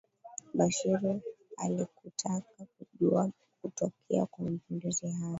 bashiru ali kutaka kujua kutokea kwa mapinduzi haya